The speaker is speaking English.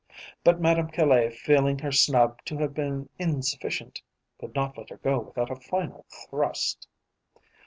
But Madame Caille, feeling her snub to have been insufficient, could not let her go without a final thrust.